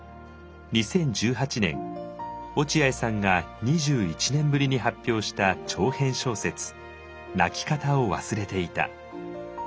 ２０１８年落合さんが２１年ぶりに発表した長編小説「泣きかたをわすれていた」。